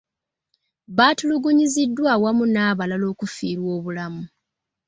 Batulugunyiziddwa awamu n'abalala okufiirwa obulamu.